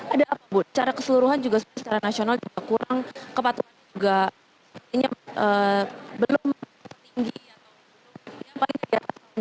ada apa bu cara keseluruhan juga secara nasional juga kurang kepatuhan juga belum meninggi